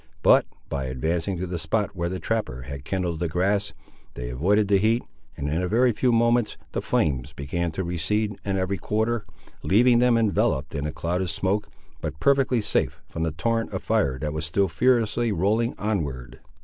But by advancing to the spot where the trapper had kindled the grass, they avoided the heat, and in a very few moments the flames began to recede in every quarter, leaving them enveloped in a cloud of smoke, but perfectly safe from the torrent of fire that was still furiously rolling onward.